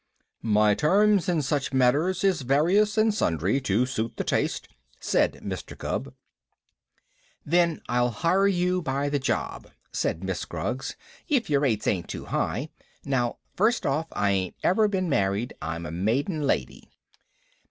"My terms in such matters is various and sundry, to suit the taste," said Mr. Gubb. "Then I'll hire you by the job," said Miss Scroggs, "if your rates ain't too high. Now, first off, I ain't ever been married; I'm a maiden lady."